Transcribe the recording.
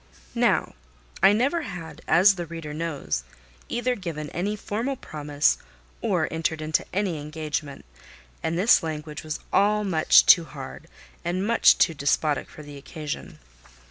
Now I never had, as the reader knows, either given any formal promise or entered into any engagement; and this language was all much too hard and much too despotic for the occasion.